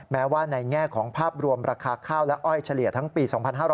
แม้ว่าในแง่ของภาพรวมราคาข้าวและอ้อยเฉลี่ยทั้งปี๒๕๕๙